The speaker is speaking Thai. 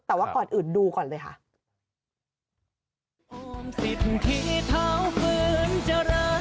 แต่ว่าก่อนอื่นดูก่อนเลยค่ะ